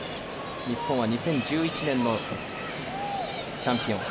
日本は２０１１年のチャンピオン。